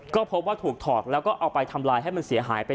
ก็พบว่าถูกถอดแล้วก็เอาไปทำลายให้มันเสียหายไป